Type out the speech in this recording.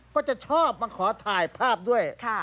ก็จะชอบมาขอถ่ายภาพด้วย